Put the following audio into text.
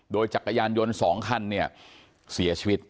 โดยจักรยานยนต์๒คันเนี่ยเสียชีวิต